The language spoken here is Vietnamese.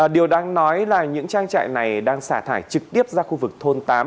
điều đáng nói là những trang trại này đang xả thải trực tiếp ra khu vực thôn tám